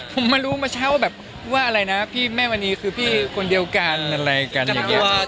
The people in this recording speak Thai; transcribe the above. ผมมารู้มาเช่าแบบว่าอะไรนะพี่แม่มณีคือพี่คนเดียวกันอะไรกัน